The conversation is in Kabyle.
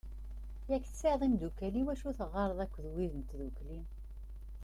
Yak tesɛiḍ imddukal d wacu i teɣɣareḍ akked wid n tddukli.